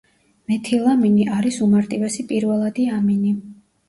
მეთილამინი არის უმარტივესი პირველადი ამინი.